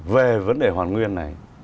về vấn đề hoàn nguyên này